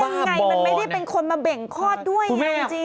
มันไม่ได้เป็นคนมาเบ่งคลอดด้วยอย่างจริง